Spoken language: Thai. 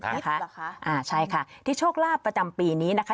ทิศเหรอคะใช่ค่ะทิศโชคลาปประจำปีนี้นะคะ